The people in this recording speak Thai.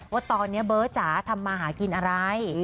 ว่าตอนนี้เบิร์ตจ๋าทำมาหากินอะไร